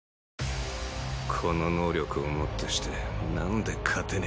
この能力をもってしてなんで勝てねえ。